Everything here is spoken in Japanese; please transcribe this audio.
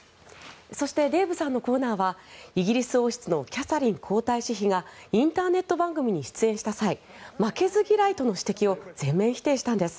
そして、デーブさんのコーナーはイギリス王室のキャサリン皇太子妃がインターネット番組に出演した際負けず嫌いとの指摘を全面否定したんです。